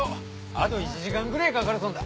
あど１時間ぐれえかかるそうだ。